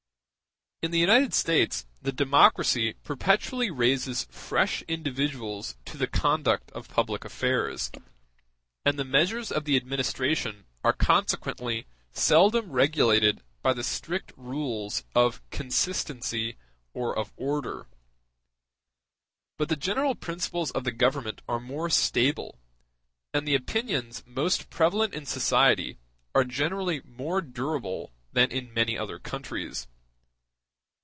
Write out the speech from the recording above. In the United States the democracy perpetually raises fresh individuals to the conduct of public affairs; and the measures of the administration are consequently seldom regulated by the strict rules of consistency or of order. But the general principles of the Government are more stable, and the opinions most prevalent in society are generally more durable than in many other countries.